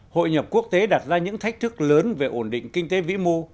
hội nhập quốc tế đặt ra những thách thức lớn về ổn định kinh tế vĩ mô